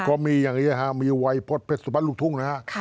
ก็มีอย่างนี้ครับมีวัยพนธ์เผ็ดสุภัณฑ์ลูกทุ่งนะคะ